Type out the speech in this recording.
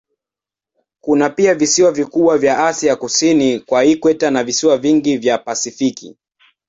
Kuna pia visiwa vikubwa vya Asia kusini kwa ikweta na visiwa vingi vya Pasifiki.